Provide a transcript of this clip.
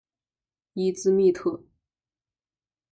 伊兹密特。